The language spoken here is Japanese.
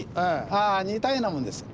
ああ似たようなもんです。